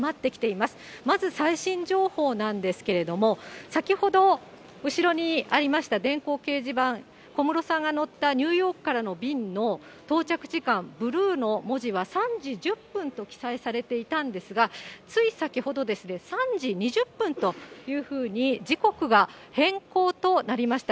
まず最新情報なんですけれども、先ほど、後ろにありました電光掲示板、小室さんが乗ったニューヨークからの便の到着時間、ブルーの文字は３時１０分と記載されていたんですが、つい先ほどですね、３時２０分というふうに時刻が変更となりました。